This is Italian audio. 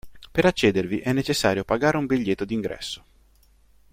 Per accedervi è necessario pagare un biglietto d'ingresso.